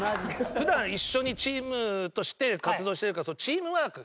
普段一緒にチームとして活動してるからチームワーク。